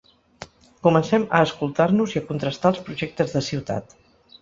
Comencem a escoltar-nos i a contrastar els projectes de ciutat.